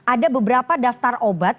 ada beberapa daftar obat